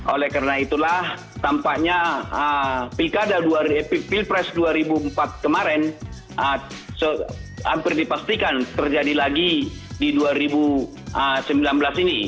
oleh karena itulah tampaknya pilpres dua ribu empat kemarin hampir dipastikan terjadi lagi di dua ribu sembilan belas ini